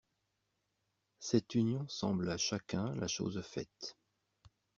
Cette union semble à chacun la chose faite!